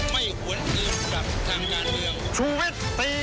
ไม่หวนเอียงกับทางยานเดียว